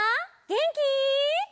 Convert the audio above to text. げんき？